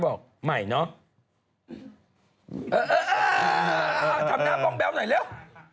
ทำหน้ามองแบ๊วหน่อยแล้ว